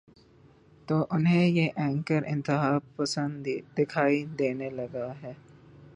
تو انہیں یہ اینکر انتہا پسند دکھائی دینے لگے ہیں۔